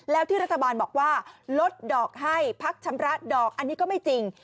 แล้วที่รัฐบาลบอกว่าลดดอกให้พักชำระดอกอันนี้ก็ไม่จริง